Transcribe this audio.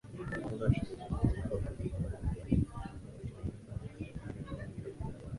muundo wa shirikisho wakaunda jamhuri mbalimbali kufuatana na mataifa ndani ya eneo hilo kubwa